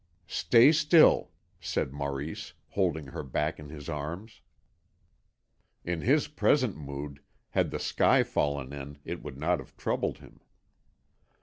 "Stay still," said Maurice, holding her back in his arms. In his present mood, had the sky fallen it would not have troubled him.